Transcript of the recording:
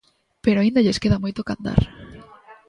Pero aínda lles queda moito que andar.